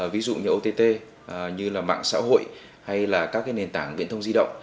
ví dụ như ott như là mạng xã hội hay là các nền tảng viễn thông di động